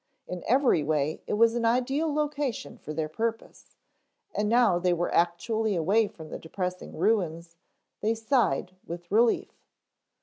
In every way it was an ideal location for their purpose and now they were actually away from the depressing ruins, they sighed with relief.